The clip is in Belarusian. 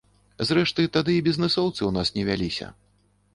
Зрэшты, тады і бізнэсоўцы ў нас не вяліся.